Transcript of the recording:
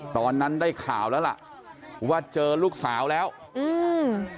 ตอนนั้นได้ข่าวแล้วล่ะว่าเจอลูกสาวแล้วอืม